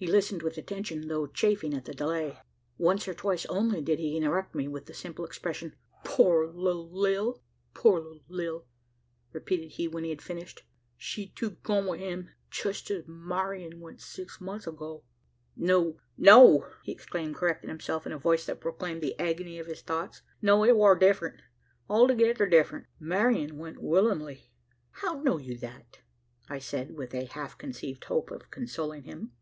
He listened with attention, though chafing at the delay. Once or twice only did he interrupt me, with the simple expression "Poor little Lil!" "Poor little Lil!" repeated he when I had finished. "She too gone wi' him! just as Marian went six months ago! "No no!" he exclaimed correcting himself, in a voice that proclaimed the agony of his thoughts. "No! it war different altogether different: Marian went willin'ly." "How know you that?" I said, with a half conceived hope of consoling him.